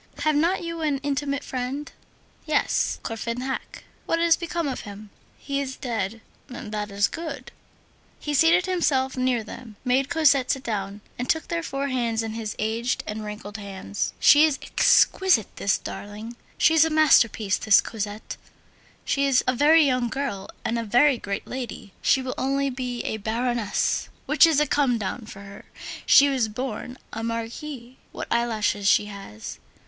"Have not you an intimate friend?" "Yes, Courfeyrac." "What has become of him?" "He is dead." "That is good." He seated himself near them, made Cosette sit down, and took their four hands in his aged and wrinkled hands: "She is exquisite, this darling. She's a masterpiece, this Cosette! She is a very little girl and a very great lady. She will only be a Baroness, which is a come down for her; she was born a Marquise. What eyelashes she has!